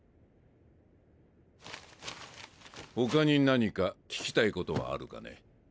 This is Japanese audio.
他に何か聞きたいことはあるかね？